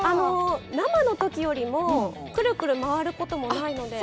生の時よりもくるくる回ることもないので。